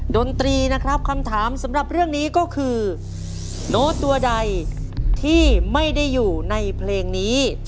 ดนตรีนะครับคำถามสำหรับเรื่องนี้ก็คือโน้ตตัวใดที่ไม่ได้อยู่ในเพลงนี้